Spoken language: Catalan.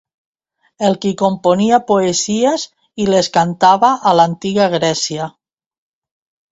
El qui componia poesies i les cantava a l'antiga Grècia.